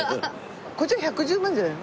こっちは１１０万じゃない？